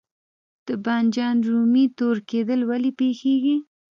د بانجان رومي تور کیدل ولې پیښیږي؟